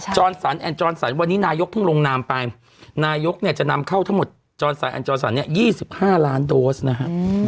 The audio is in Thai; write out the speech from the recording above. จรสันแอนจรสันวันนี้นายกเพิ่งลงนามไปนายกเนี่ยจะนำเข้าทั้งหมดจรสันแอนจรสันเนี่ย๒๕ล้านโดสนะฮะ